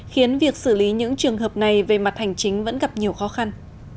khiến việc xử lý những trường hợp này về mặt hành chính vẫn gặp nhiều khó khăn